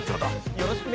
よろしくね！